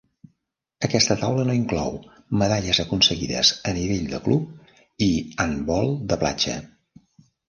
Aquesta taula no inclou medalles aconseguides a nivell de club i handbol de platja.